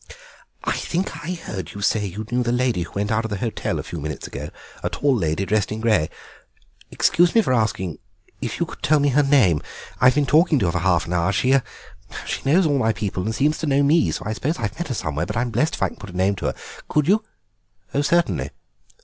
"I think I heard you say you knew the lady who went out of the hotel a few minutes ago, a tall lady, dressed in grey. Excuse me for asking if you could tell me her name; I've been talking to her for half an hour; she—er—she knows all my people and seems to know me, so I suppose I've met her somewhere before, but I'm blest if I can put a name to her. Could you—?" "Certainly.